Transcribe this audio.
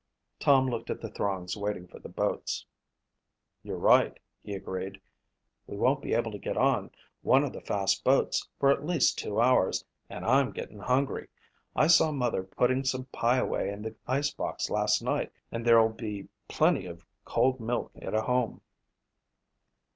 Tom looked at the throngs waiting for the boats. "You're right," he agreed. "We won't be able to get on one of the fast boats for at least two hours and I'm getting hungry. I saw mother putting some pie away in the ice box last night and there'll be plenty of cold milk at home."